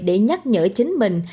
để nhắc nhở chính mình